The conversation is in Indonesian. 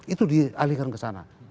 itu dialihkan ke sana